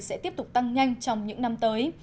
sẽ tiếp tục tăng nhanh trong những năm tới